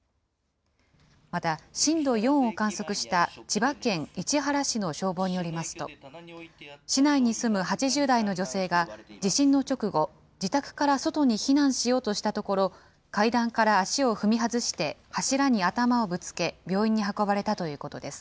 また、震度４を観測した千葉県市原市の消防によりますと、市内に住む８０代の女性が地震の直後、自宅から外に避難しようとしたところ、階段から足を踏み外して、柱に頭をぶつけ、病院に運ばれたということです。